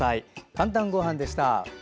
「かんたんごはん」でした。